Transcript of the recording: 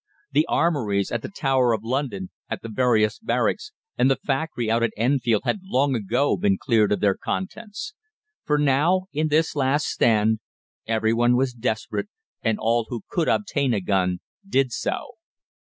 The armouries at the Tower of London, at the various barracks, and the factory out at Enfield had long ago all been cleared of their contents; for now, in this last stand, every one was desperate, and all who could obtain a gun did so.